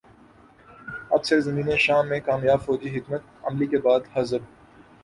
اب سرزمین شام میں کامیاب فوجی حکمت عملی کے بعد حزب